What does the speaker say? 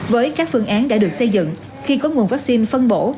với các phương án đã được xây dựng khi có nguồn vaccine phân bổ